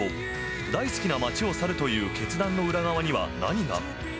大好きな街を去るという決断の裏側には何が。